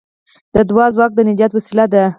د دعا ځواک د نجات وسیله ده.